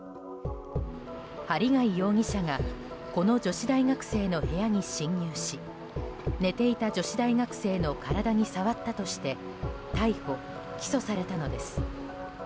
針谷容疑者がこの女子大学生の部屋に侵入し寝ていた女子大学生の体に触ったとして逮捕・起訴されたのです。